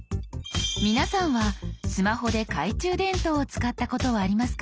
皆さんはスマホで懐中電灯を使ったことはありますか？